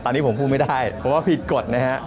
อันนี้ผมพูดไม่ได้เพราะว่าผิดกฎนะฮะ